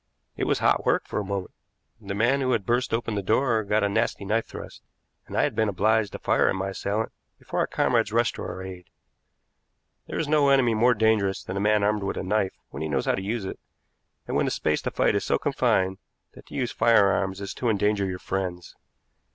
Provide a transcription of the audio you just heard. It was hot work for a moment. The man who had burst open the door got a nasty knife thrust, and I had been obliged to fire at my assailant before our comrades rushed to our aid. There is no enemy more dangerous than a man armed with a knife when he knows how to use it, and when the space to fight in is so confined that to use firearms is to endanger your friends.